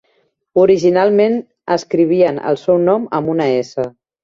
Originalment escrivien el seu nom amb una "S".